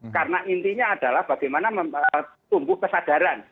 karena intinya adalah bagaimana tumbuh kesadaran